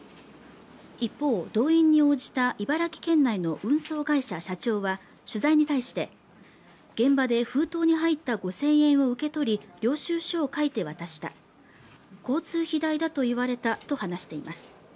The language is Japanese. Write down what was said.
一方、動員に応じた茨城県内の運送会社社長は取材に対して、現場で封筒に入った５０００円を受け取り、領収書を書いて渡した交通費代だと言われたと話しています。